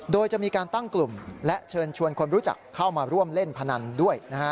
โดยจะมีการตั้งกลุ่มและเชิญชวนคนรู้จักเข้ามาร่วมเล่นพนันด้วยนะฮะ